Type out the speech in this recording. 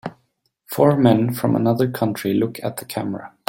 Four men from another country look at the camera.